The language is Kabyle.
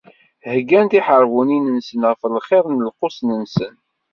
Heyyan tiḥerbunin-nsen ɣef lxiḍ n lqus-nsen.